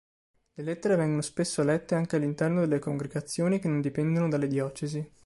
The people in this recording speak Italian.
Le lettere vengono spesso lette anche all'interno delle congregazioni che non dipendono dalle diocesi.